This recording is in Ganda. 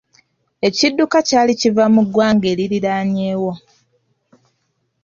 Ekidduka kyali kiva mu ggwanga eririnaanyeewo.